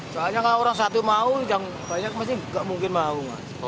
soalnya kalau orang satu mau yang banyak pasti nggak mungkin mau